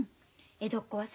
江戸っ子はさ